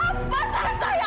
apa salah saya